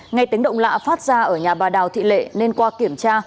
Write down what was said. ngay tính động lạ phát ra ở nhà bà đào thị lệ nên qua kiểm tra